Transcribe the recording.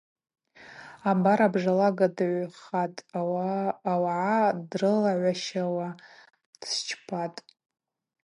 Абар абжалага дыгӏвхатӏ, ауагӏа дрылагӏващауа дсчпатӏ.